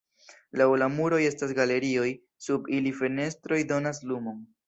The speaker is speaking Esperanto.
Laŭ la muroj estas galerioj, sub ili fenestroj donas lumon.